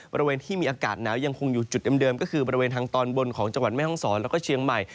บริเวณที่มีอากาศหนาวยังคงอยู่จุดเดิมก็คือบริเวณทางตอนบนของจังหวัดแม่ห้องศรแล้วก็เชียงใหม่